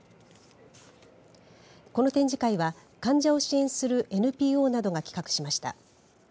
この展示会は患者を支援するＮＰＯなどが企画しました。